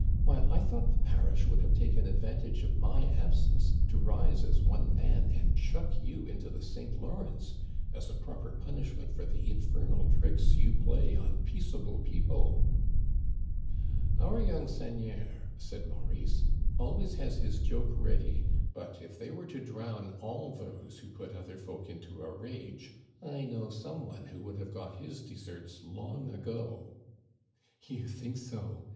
Why, I thought the parish would have taken advantage of my absence to rise as one man and chuck you into the St. Lawrence, as a proper punishment for the infernal tricks you play on peaceable people." " Our young seigneur," said Maurice, always has his joke ready ; but, if they were to drown all those who put other folk into a rage, I know some one who would have got his deserts long ago." "You think so!"